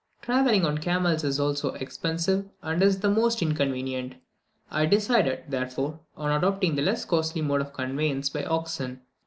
Travelling on camels is also expensive, and is the most inconvenient. I decided, therefore, on adopting the less costly mode of conveyance by oxen.